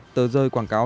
tờ rơi quảng cáo